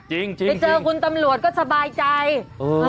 จริงจริงไปเจอคุณตำรวจก็สบายใจเออ